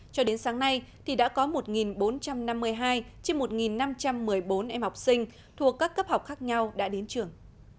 cho đến sáng nay thì đã có một bốn trăm năm mươi hai trên một năm trăm một mươi bốn em học sinh thuộc các cấp học khác nhau đã đến trường